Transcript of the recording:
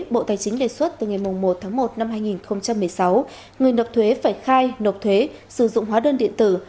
bộ tài chính đề xuất từ ngày một tháng một năm hai nghìn một mươi sáu người nộp thuế phải khai nộp thuế sử dụng hóa đơn điện tử